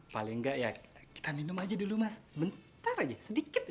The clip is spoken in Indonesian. paling nggak ya kita minum aja dulu mas sebentar aja sedikit